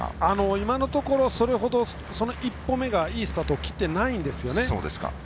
今のところ１歩目がいいスタートを切っていないんですよね。